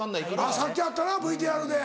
さっきあったなＶＴＲで。